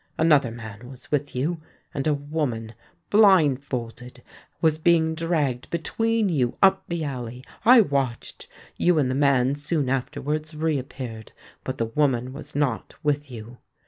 Another man was with you; and a woman, blindfolded, was being dragged between you up the alley. I watched—you and the man soon afterwards re appeared; but the woman was not with you.